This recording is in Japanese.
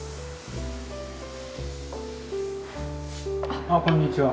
あっこんにちは。